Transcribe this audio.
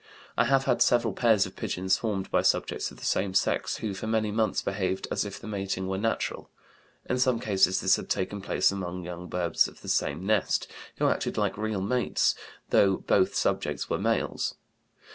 I have had several pairs of pigeons formed by subjects of the same sex who for many months behaved as if the mating were natural. In some cases this had taken place among young birds of the same nest, who acted like real mates, though both subjects were males.